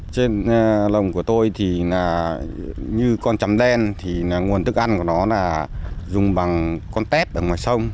cá lồng của tôi như con chấm đen nguồn thức ăn của nó dùng bằng con tét ở ngoài sông